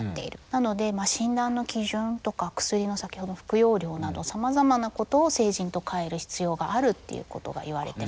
なので診断の基準とか薬の先ほどの服用量などさまざまなことを成人と変える必要があるっていうことが言われてますね。